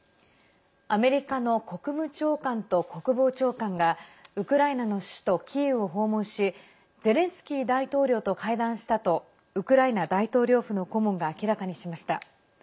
アメリカの国務長官と国防長官がウクライナの首都キーウを訪問しゼレンスキー大統領と会談したとウクライナ大統領府の顧問が明らかにしました。